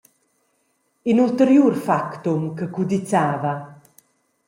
In ulteriur factum che cudizzava.